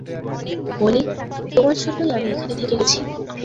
মলি, তোমার জন্যই আমি এখানে থেকে গেছি।